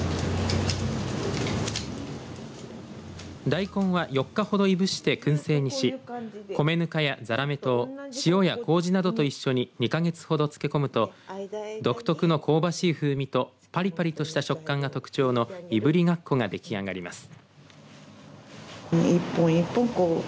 大根は４日ほどいぶしてくん製にし米ぬかや、ざらめ糖塩やこうじなどと一緒に２か月ほど漬け込むと独特の香ばしい風味とぱりぱりとした食感が特徴のいぶりがっこが出来上がります。